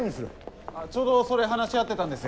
ちょうどそれ話し合ってたんですよ。